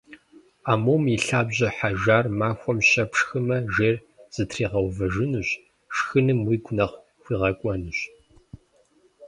Амум и лъабжьэ хьэжар махуэм щэ пшхымэ, жейр зэтригъэувэжынущ, шхыным уигу нэхъ хуигъэкӏуэнущ.